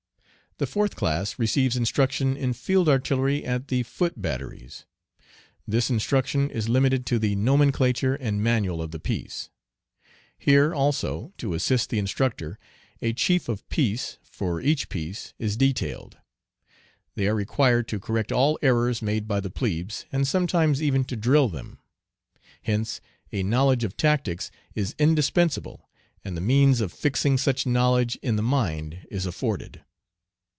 The fourth class receives instruction in field artillery at the "foot batteries." This instruction is limited to the nomenclature and manual of the piece. Here, also, to assist the instructor, a chief of piece for each piece is detailed. They are required to correct all errors made by the plebes, and sometimes even to drill them. Hence a knowledge of tactics is indispensable, and the means of fixing such knowledge in the mind is afforded.